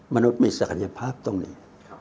มนุษย์มีศักยภาพตรงนี้